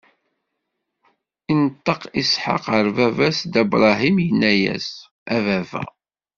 Inṭeq Isḥaq ɣer baba-s Dda Bṛahim, inna-as: A Baba!